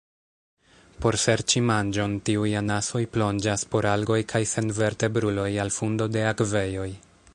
Por serĉi manĝon tiuj anasoj plonĝas por algoj kaj senvertebruloj al fundo de akvejoj.